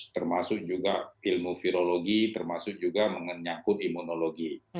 termasuk juga ilmu virologi termasuk juga menyangkut imunologi